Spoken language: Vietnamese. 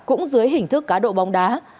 cũng dưới hình thức cá độ bóng đá